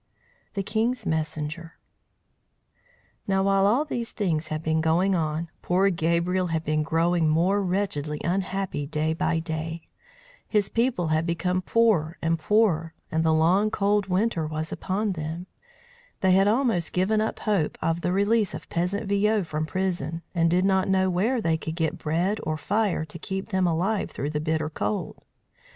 THE KING'S MESSENGER NOW while all these things had been going on, poor Gabriel had been growing more wretchedly unhappy day by day. His people had become poorer and poorer, and the long, cold winter was upon them. They had almost given up hope of the release of peasant Viaud from prison, and did not know where they could get bread or fire to keep them alive through the bitter cold.